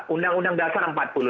undang undang dasar empat puluh lima